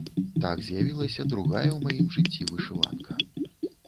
Так з'явілася другая ў маім жыцці вышыванка.